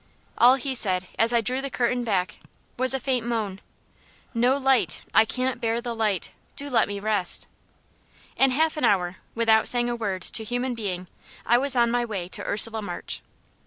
All he said, as I drew the curtain back, was a faint moan "No light! I can't bear the light! Do let me rest!" In half an hour, without saying a word to human being, I was on my way to Ursula March.